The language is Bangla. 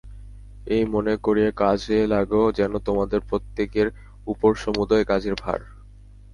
এই মনে করিয়া কাজে লাগ, যেন তোমাদের প্রত্যেকের উপর সমুদয় কাজের ভার।